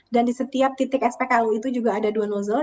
dan di setiap titik spklu itu juga ada dua nozzle